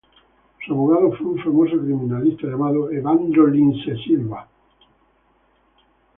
Su abogado fue un famoso criminalista llamado Evandro Lins e Silva.